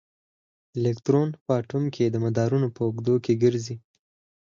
الکترون په اټوم کې د مدارونو په اوږدو کې ګرځي.